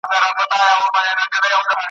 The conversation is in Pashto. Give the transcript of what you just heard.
چي تر شمېر او تر حساب یې تېر سي مړي ,